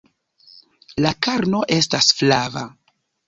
La karno estas flava.